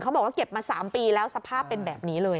บอกว่าเก็บมา๓ปีแล้วสภาพเป็นแบบนี้เลย